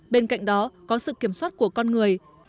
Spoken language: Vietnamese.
bên cạnh đó có sự kiểm soát của con người